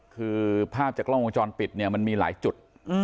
คือภาพจากกล้องวงจรปิดเนี่ยมันมีหลายจุด